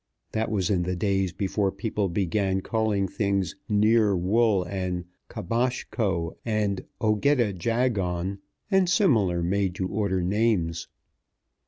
That was in the days before people began calling things Nearwool and Ka bosh ko and Ogeta Jaggon, and similar made to order names.